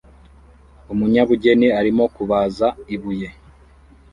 Umunyabugeni arimo kubaza ibuye